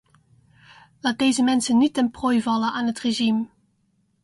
Laat deze mensen niet ten prooi vallen aan het regime.